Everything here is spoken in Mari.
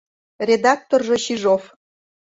Редакторжо — Чижов.